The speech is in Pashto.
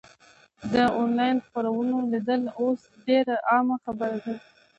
د انلاین خپرونو لیدل اوس ډېره عامه خبره ده.